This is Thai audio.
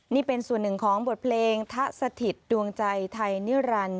นี่เป็นส่วนหนึ่งของบทเพลงทะสถิตดวงใจไทยนิรันดิ